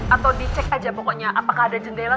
atau dicek aja pokoknya apakah ada jendela